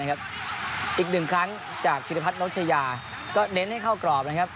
อีก๑ครั้งจากฮิตภัทรนรัชญาก็เน้นให้เข้ากรอบนะครับ